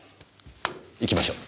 行きましょう。